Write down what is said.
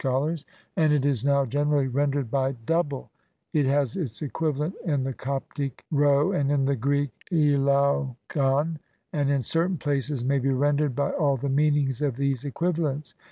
LXXXVII lars, and it is now generally rendered by "double" ; it has its equivalent in the Coptic svco and in the Greek sl'ckoXov, and in certain places may be rendered by all the meanings of these equivalents.